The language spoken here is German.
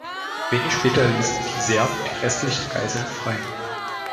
Wenig später ließen die Serben die restlichen Geiseln frei.